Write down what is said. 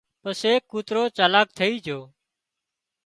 پسي ڪوترو چالاڪ ٿئي جھو